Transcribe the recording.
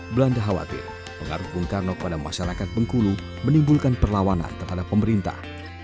belanda khawatir pengaruh bung karno kepada masyarakat bengkulu menimbulkan perlawanan terhadap pemerintah